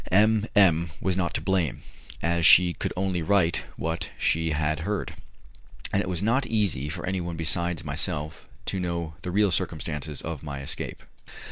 M M was not to blame, as she could only write what she had heard, and it was not easy for anyone besides myself to know the real circumstances of my escape.